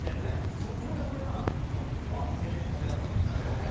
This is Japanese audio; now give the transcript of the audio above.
そこで、俺が「おいてめえ、この野郎」っつって。